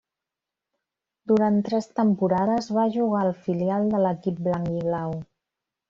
Durant tres temporades va jugar al filial de l'equip blanc-i-blau.